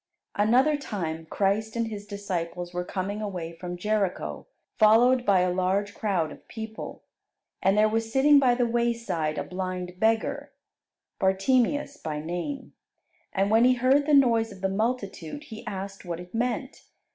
Another time Christ and His disciples were coming away from Jericho, followed by a large crowd of people. And there was sitting by the wayside a blind beggar, Bartimeus by name; and when he heard the noise of the multitude, he asked what it meant.